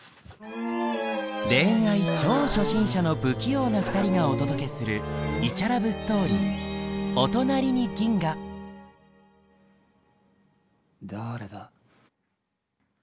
恋愛超初心者の不器用な２人がお届けするイチャラブストーリーだれだ？